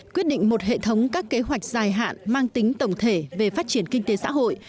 quyết định một hệ thống các kế hoạch dài hạn mang tính tổng thể về phát triển kinh tế xã hội